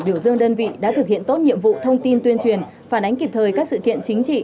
biểu dương đơn vị đã thực hiện tốt nhiệm vụ thông tin tuyên truyền phản ánh kịp thời các sự kiện chính trị